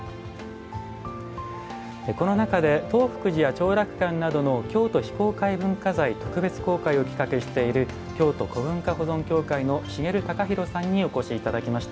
この中で東福寺や長楽館など「京都非公開文化財特別公開」を企画している京都古文化保存協会の茂貴広さんにお越しいただきました。